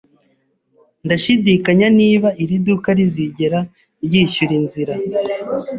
Ndashidikanya niba iri duka rizigera ryishyura inzira.